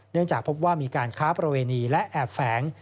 จากพบว่ามีการค้าประเวณีและแอบแฝง